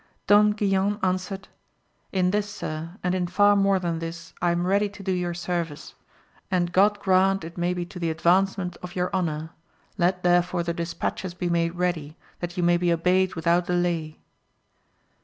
Don Guilan answered, In this sir, and in far more than this I am ready to do you service, and God grant it may be to the advancement of your honour ; let therefore the dispatches be made ready, that you may be obeyed without delay.